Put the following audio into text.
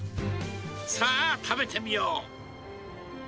さあ、食べてみよう。